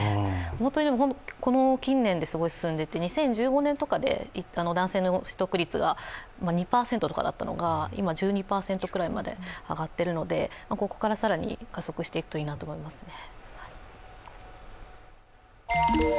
近年ですごい進んでいて、２０１５年とかで男性の取得率が２％とかだったのが、今１２％くらいまで上がっているのでここからさらに加速してくるといいなと思いますね。